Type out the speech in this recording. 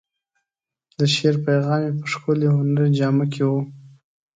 د شعر پیغام یې په ښکلې هنري جامه کې و.